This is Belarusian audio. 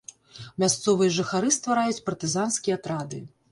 Мясцовыя жыхары ствараюць партызанскія атрады.